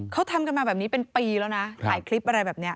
เขาทำกันมาแบบนี้เป็นปีแล้วนะถ่ายคลิปอะไรแบบนี้